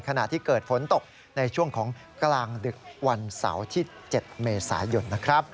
ขณะที่เกิดฝนตกในช่วงของกลางดึกวันเสาร์ที่๗เมษายนนะครับ